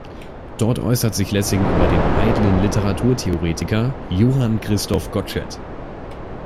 Dort äußert sich Lessing über den eitlen Literaturtheoretiker Johann Christoph Gottsched.